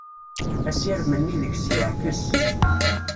Assirem-nni deg-s yeɛkes.